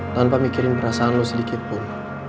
tanpa mikirin perasaan lo sedikit pun